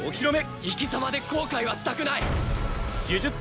生き様で後悔はしたくない！